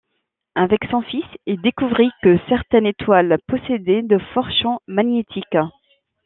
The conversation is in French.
Avec son fils, il découvrit que certaines étoiles possédaient de forts champs magnétiques.